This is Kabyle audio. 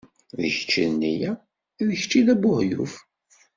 D kečč i d nniya, d kečč i d abuheyyuf.